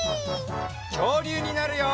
きょうりゅうになるよ！